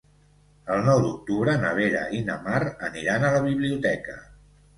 El nou d'octubre na Vera i na Mar aniran a la biblioteca.